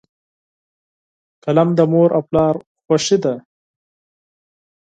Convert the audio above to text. قلم د مور او پلار خوښي ده.